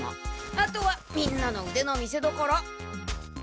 あとはみんなのうでの見せどころ。